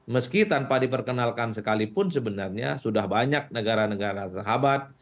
meski tanpa diperkenalkan sekalipun sebenarnya sudah banyak negara negara sahabat